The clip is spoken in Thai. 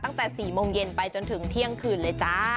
ตั้งแต่๔โมงเย็นไปจนถึงเที่ยงคืนเลยจ้า